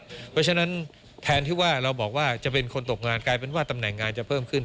เพราะฉะนั้นแทนที่ว่าเราบอกว่าจะเป็นคนตกงานกลายเป็นว่าตำแหน่งงานจะเพิ่มขึ้น